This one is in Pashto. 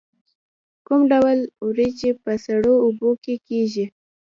کوم ډول وریجې په سړو اوبو کې کیږي؟